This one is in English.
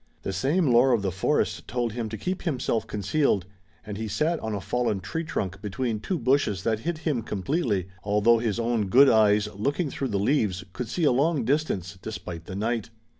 The same lore of the forest told him to keep himself concealed, and he sat on a fallen tree trunk between two bushes that hid him completely, although his own good eyes, looking through the leaves, could see a long distance, despite the night.